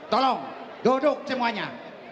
tolong duduk semuanya